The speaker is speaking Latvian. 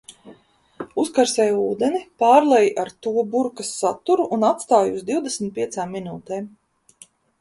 Uzkarsē ūdeni, pārlej ar to burkas saturu un atstāj uz divdesmit piecām minūtēm.